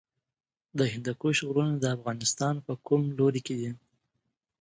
د هندوکش غرونه د افغانستان په کوم لوري کې دي؟